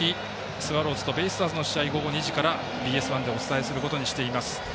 スワローズとベイスターズの試合午後２時からＢＳ１でお伝えすることにしています。